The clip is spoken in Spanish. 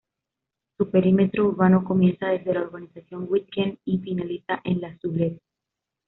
Su perímetro urbano comienza desde las urbanización Weekend y finaliza en La Soublette.